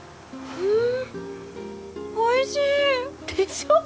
うん。